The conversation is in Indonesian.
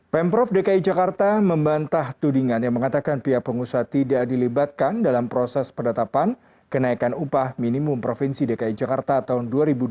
pemprov dki jakarta membantah tudingan yang mengatakan pihak pengusaha tidak dilibatkan dalam proses perdatapan kenaikan upah minimum provinsi dki jakarta tahun dua ribu dua puluh